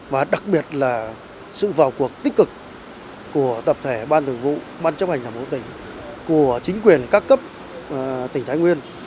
và đặc biệt là sự vào cuộc tích cực của tập thể ban thường vụ ban chấp hành đảng bộ tỉnh của chính quyền các cấp tỉnh thái nguyên